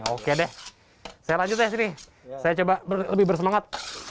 oke deh saya lanjut ya sini saya coba lebih bersemangat